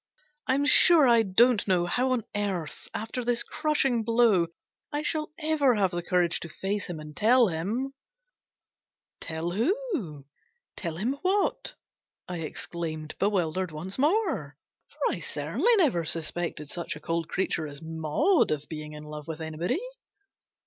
I'm sure I don't know how on earth, after this crushing blow, I shall ever have the courage to face him and tell him!" 330 GENERAL PASSAVANT'S WILL. " Tell who ? Tell him what ?" I exclaimed, bewildered once more; for I certainly never suspected such a cold creature as Maud of being in love with anybody.